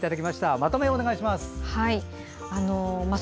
まとめをお願いします。